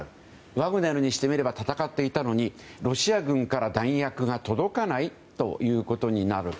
ワグネルにしてみれば戦っていたのにロシア軍から弾薬が届かないということになる。